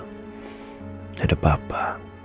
tidak ada papa